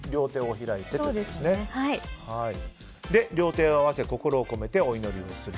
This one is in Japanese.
そして両手を合わせ心を込めてお祈りをする。